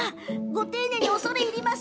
ご丁寧に恐れ入ります。